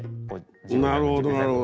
なるほどなるほど。